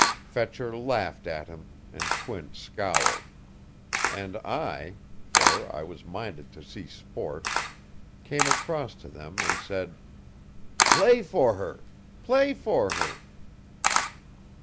"Fetcher laughed at him; and Quint scowled. And I for I was minded to see sport, came across to them and said: 'Play for her. Play for her!'